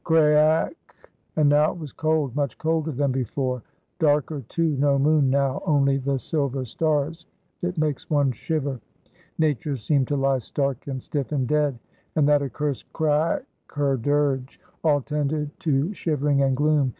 Craake! And now it was cold, much colder than before, darker, too, no moon now, only the silver stars; it makes one shiver. Nature seemed to lie stark and stiff and dead, and that accursed craake her dirge. All tended to shivering and gloom.